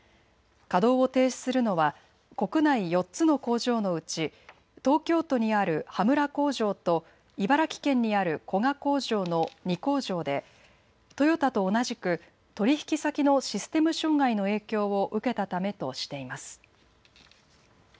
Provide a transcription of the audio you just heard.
稼働を停止するのは国内４つの工場のうち東京都にある羽村工場と茨城県にある古河工場の２工場でトヨタと同じく取引先のシステム障害の影響を受けたためとしています。